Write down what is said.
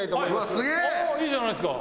ああーいいじゃないですか。